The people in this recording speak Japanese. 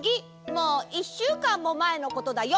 もういっしゅうかんもまえのことだよ！